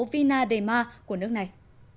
vina de mar của nước này